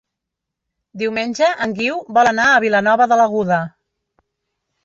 Diumenge en Guiu vol anar a Vilanova de l'Aguda.